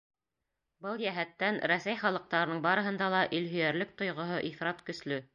Был йәһәттән Рәсәй халыҡтарының барыһында ла илһөйәрлек тойғоһо ифрат көслө.